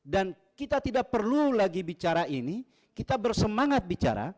dan kita tidak perlu lagi bicara ini kita bersemangat bicara